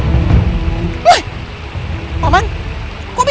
harusnya yang sama